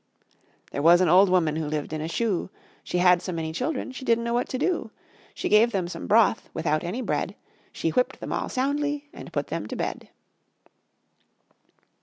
There was an old woman who lived in a shoe, She had so many children she didn't know what to do. She gave them some broth without any bread, She whipped them all soundly and put them to bed.